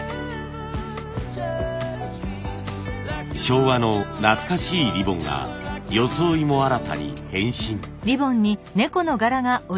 昭和の懐かしいリボンが装いも新たに変身。